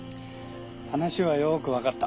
話はよくわかった。